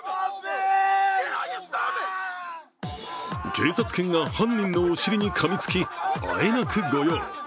警察犬が犯人のお尻にかみつき、あえなく御用。